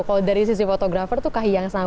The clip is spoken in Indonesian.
kalau dari sisi fotografer tuh kak hiang sama